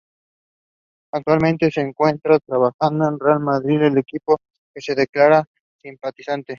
Actualmente se encuentra trabajando en el Real Madrid, equipo del que se declara simpatizante.